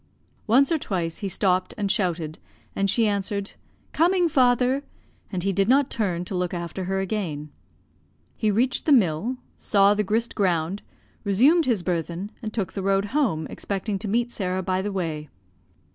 Once or twice he stopped and shouted, and she answered, 'Coming, father;' and he did not turn to look after her again. He reached the mill saw the grist ground, resumed his burthen and took the road home, expecting to meet Sarah by the way.